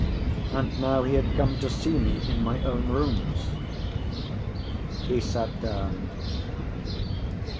And now he had come to see me in my own rooms. He sat down.